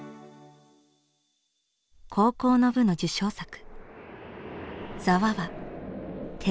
高校の部の受賞作。